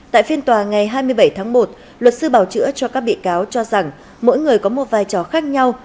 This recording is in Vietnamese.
tại phiên tòa ngày hai mươi bảy tháng một luật sư bảo chữa cho các bị cáo cho rằng mỗi người có một vai trò khác nhau